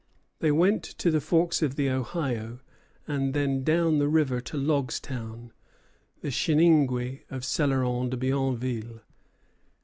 They went to the forks of the Ohio, and then down the river to Logstown, the Chiningué of Céloron de Bienville.